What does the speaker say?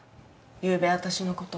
ゆうべ私の事を。